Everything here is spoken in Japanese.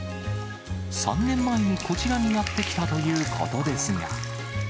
３年前に、こちらにやって来たということですが。